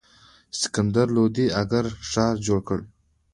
سکندر لودي اګره ښار جوړ کړ.